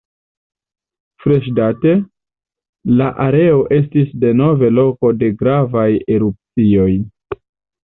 Freŝdate, la areo estis denove loko de gravaj erupcioj.